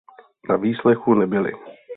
Na výslechu nebyli.